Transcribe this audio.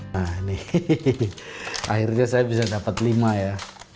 nah ini akhirnya saya bisa dapat lima ya